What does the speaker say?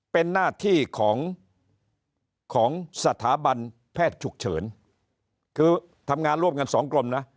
เป็นหน้าที่ของของสถาบันแพทย์ฉุกเฉินคือทำงานร่วมกันสองกรมนะ